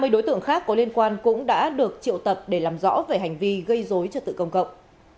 ba mươi đối tượng khác có liên quan cũng đã được triệu tập để làm rõ về hành vi gây dối trật tự công cộng